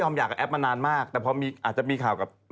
มันก็จบกันไปตั้งหลายปีแล้วนะเธอ